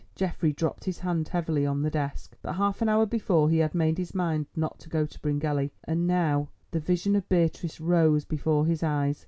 Geoffrey dropped his hand heavily on the desk. But half an hour before he had made up his mind not to go to Bryngelly. And now——The vision of Beatrice rose before his eyes.